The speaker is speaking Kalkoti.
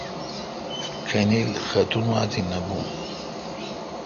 کھانیل ختم آت نہ بھون۔